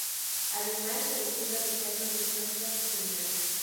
Además, el estilo de Hermann es más tradicional.